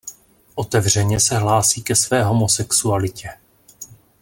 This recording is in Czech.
Otevřeně se hlásí ke své homosexualitě.